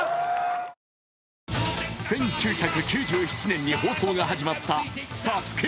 １９９７年に放送が始まった「ＳＡＳＵＫＥ」。